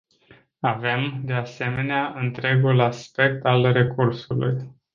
Avem, de asemenea, întregul aspect al recursului.